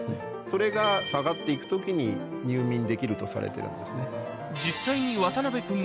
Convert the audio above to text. それが下がって行く時に入眠できるとされてるんですね。